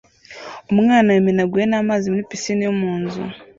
Umwana yamenaguwe namazi muri pisine yo mu nzu